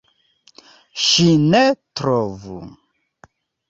Ŝi ne trovu!